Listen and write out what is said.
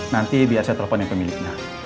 nanti biar saya telepon ke miliknya